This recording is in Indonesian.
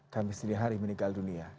kami sendiri hari meninggal dunia